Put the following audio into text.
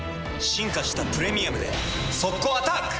進化した「プレミアム」で速攻アタック！